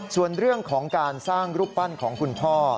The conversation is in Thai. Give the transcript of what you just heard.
ส่วนเรื่องของการสร้างรูปปั้นของคุณพ่อ